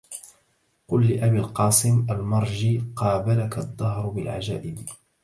قل لأبي القاسم المرجى قابلك الدهر بالعجائب